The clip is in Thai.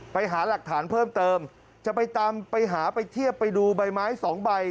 ไปหาหลักฐานเพิ่มเติมจะไปตามไปหาไปเทียบไปดูใบไม้สองใบ